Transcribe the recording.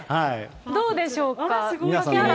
どうでしょうか。